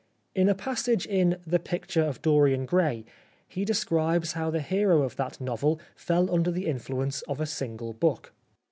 In a passage in " The Picture of Dorian Gray," he describes how the hero of that novel fell under the influence of a single book.